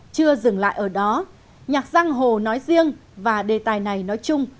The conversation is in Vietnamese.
chưa dừng lại ở đó nhạc giang hồ nói riêng và đề tài này nói chung